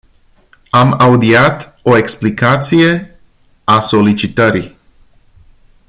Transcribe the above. Am audiat o explicație a solicitării.